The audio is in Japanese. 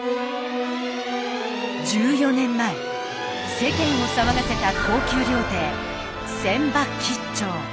１４年前世間を騒がせた高級料亭船場兆。